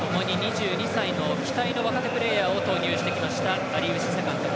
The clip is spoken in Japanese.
ともに２２歳の期待の若手プレーヤーを投入してきました。